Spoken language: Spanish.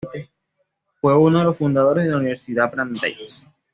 Fue uno de los fundadores de la Universidad Brandeis.